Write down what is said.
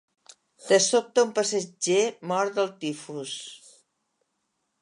De sobte un passatger mor del tifus.